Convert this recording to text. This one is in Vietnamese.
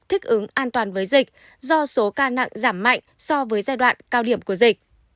thích ứng an toàn với dịch do số ca nặng giảm mạnh so với giai đoạn cao điểm của dịch